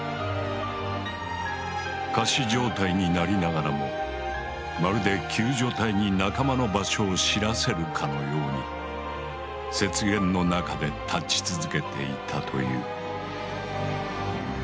仮死状態になりながらもまるで救助隊に仲間の場所を知らせるかのように雪原の中で立ち続けていたという。